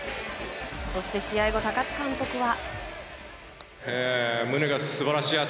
そして試合後高津監督は。